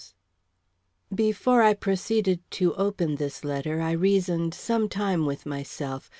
Before I proceeded to open this letter, I reasoned some time with myself.